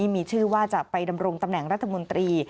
มีชื่อว่าจะไปดำรงตำแหน่งรัฐมนตรี